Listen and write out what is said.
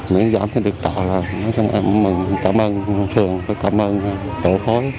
miễn giảm thì được trọ là nói cho em mừng cảm ơn thường cảm ơn tổ khối